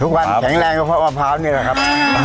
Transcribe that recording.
เออเชียบโมยหรือยังครับ